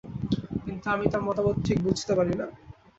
কিন্তু আমি তাঁর মতবাদ ঠিক বুঝতে পারি না।